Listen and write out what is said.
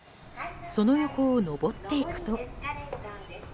その横を上っていくと。